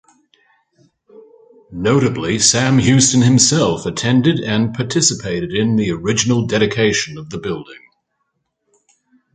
Notably, Sam Houston himself attended and participated in the original dedication of the building.